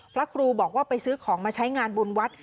พระครูบอกว่าไปซื้อของมาใช้งานบุญวัด